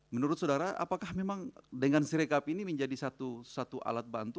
menurut saudara apakah memang dengan sirekap ini menjadi satu alat bantu